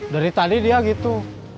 dari tadi dia gitu